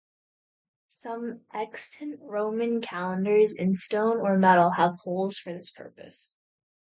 Some extant Roman calendars in stone or metal have holes for this purpose.